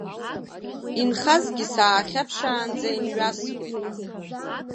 Инхазгьы саахьаԥшаанӡа имҩасуеит.